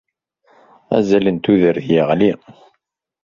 Azal n tudert yeɣli.